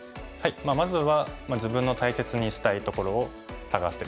まずは自分の大切にしたいところを探してですね